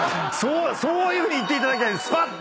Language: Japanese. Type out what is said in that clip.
そういうふうに言っていただきたいです。